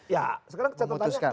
ya sekarang catatannya